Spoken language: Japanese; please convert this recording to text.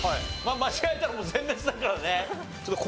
間違えたら全滅だからね。